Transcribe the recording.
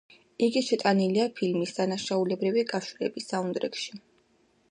იგი შეტანილია ფილმის „დანაშაულებრივი კავშირები“ საუნდტრეკში.